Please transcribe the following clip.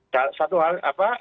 dan satu hal